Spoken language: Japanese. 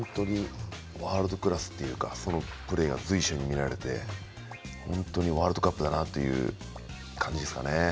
ワールドクラスというかそういうプレーが随所に見られて本当にワールドカップだなという感じですかね。